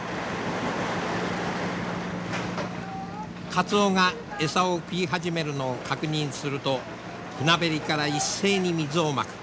カツオが餌を食い始めるのを確認すると船べりから一斉に水をまく。